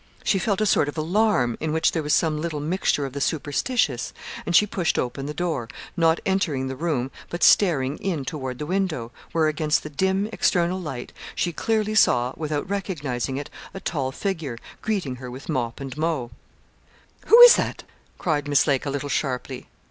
She felt a sort of alarm, in which there was some little mixture of the superstitious, and she pushed open the door, not entering the room, but staring in toward the window, where against the dim, external light, she clearly saw, without recognising it, a tall figure, greeting her with mop and moe. 'Who is that?' cried Miss Lake, a little sharply.